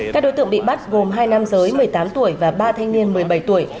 các đối tượng bị bắt gồm hai nam giới một mươi tám tuổi và ba thanh niên một mươi bảy tuổi